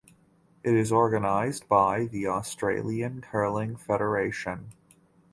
It is organized by the Australian Curling Federation.